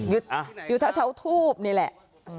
อยู่เท้าทูบนี่แหละ